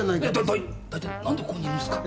だ大体なんでここにいるんですか？